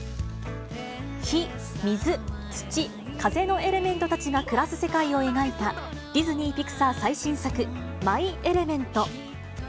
火、水、土、風のエレメントたちが暮らす世界を描いた、ディズニー・ピクサー最新作、マイ・エレメント。